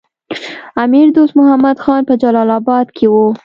امیر دوست محمد خان په جلال اباد کې وو.